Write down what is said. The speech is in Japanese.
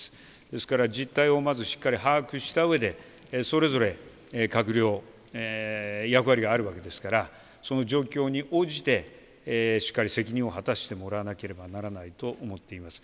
ですから実態をしっかり把握したうえでそれぞれ閣僚役割があるわけですからその状況に応じてしっかり責任を果たしてもらわなければならないと思っています。